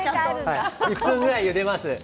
１分ぐらいゆでます。